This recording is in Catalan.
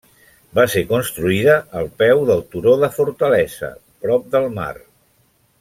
Va ser construïda al peu del turó de Fortaleza, prop del mar.